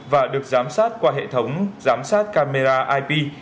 và được giám sát qua hệ thống giám sát camera ip